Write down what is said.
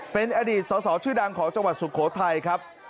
เป็นอดีตสอสอชื่อดังของจังหวัดสุโขทัยครับ